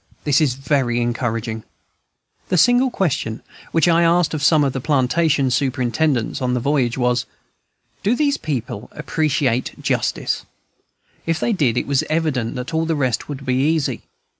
This is very encouraging. The single question which I asked of some of the plantation superintendents, on the voyage, was, "Do these people appreciate justice?" If they did it was evident that all the rest would be easy.